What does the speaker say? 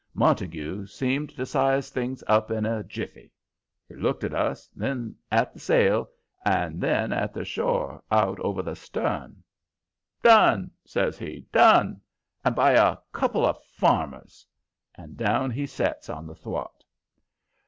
Montague seemed to size things up in a jiffy. He looked at us, then at the sail, and then at the shore out over the stern. "Done!" says he. "Done! And by a couple of 'farmers'!" And down he sets on the thwart.